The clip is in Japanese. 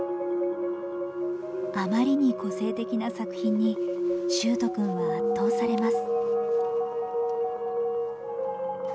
あまりに個性的な作品に秀斗くんは圧倒されます。